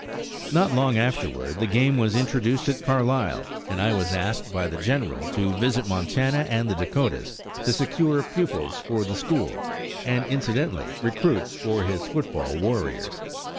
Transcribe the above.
Not long afterward the game was introduced at Carlisle, and I was asked by the General to visit Montana and the Dakotas to secure pupils for the school, and, incidentally, recruits for his football warriors.